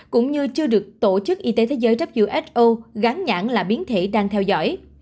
cũng như chưa được tổ chức y tế thế giới who gán nhãn là biến thể đang theo dõi